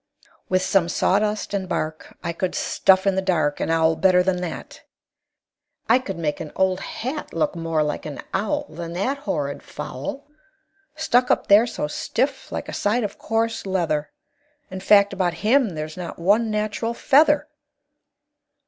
"With some sawdust and bark I could stuff in the dark An owl better than that. I could make an old hat Look more like an owl Than that horrid fowl, Stuck up there so stiff like a side of coarse leather. In fact, about him there's not one natural feather."